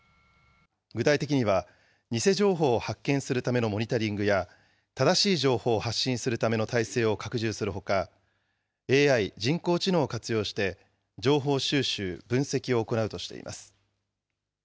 具体的には、偽情報を発見するためのモニタリングや、正しい情報を発信するための態勢を拡充するほか、ＡＩ・人工知能を活用して、情報収集、分析を行うとしています。